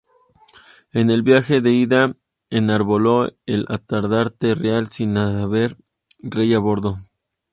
En el viaje de ida enarboló el estandarte real sin haber rey a bordo.